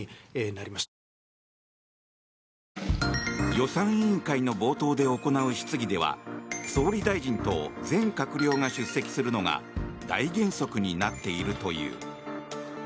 予算委員会の冒頭で行う質疑では総理大臣と全閣僚が出席するのが大原則になっているという。